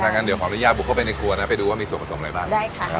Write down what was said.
งั้นเดี๋ยวขออนุญาตบุกเข้าไปในครัวนะไปดูว่ามีส่วนผสมอะไรบ้างได้ค่ะ